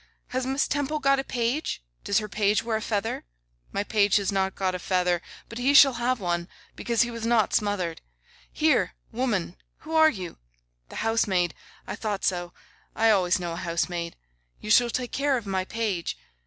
Has Miss Temple got a page? Does her page wear a feather? My page has not got a feather, but he shall have one, because he was not smothered. Here! woman, who are you? The housemaid. I thought so. I always know a housemaid. You shall take care of my page.